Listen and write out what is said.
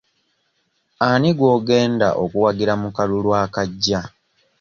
Ani gw'ogenda okuwagira mu kalulu akajja?